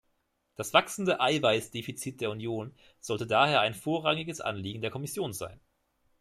Das wachsende Eiweißdefizit der Union sollte daher ein vorrangiges Anliegen der Kommission sein.